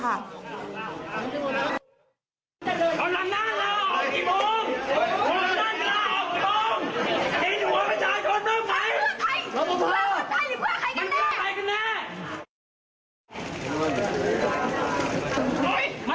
ป๊ายหน่ายน่ะ